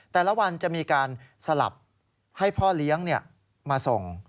แต่ละวันจะมีการสลับให้พ่อเลี้ยงมาส่ง